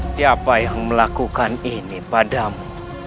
siapa yang melakukan ini padamu